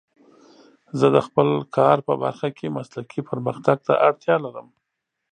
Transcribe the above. زه د خپل کار په برخه کې مسلکي پرمختګ ته اړتیا لرم.